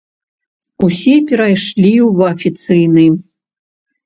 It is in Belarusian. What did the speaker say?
Усе перайшлі ў афіцыйны.